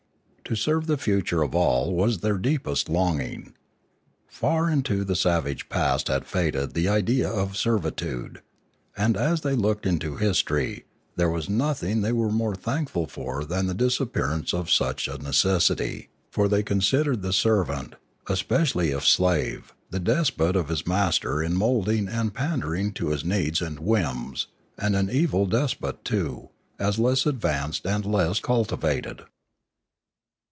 To serve the future of all was their deepest longing. Far into the savage past had faded the idea of servitude; and, as they looked into history, there was nothing they Ethics 603 were more thankful for than the disappearance of such a necessity; for they considered the servant, especially if slave, the despot of his master in moulding and pan dering to his needs and whims, and an evil despot too, as less advanced and less cultivated.